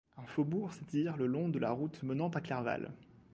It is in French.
Un faubourg s'étire le long de la route menant à Clerval.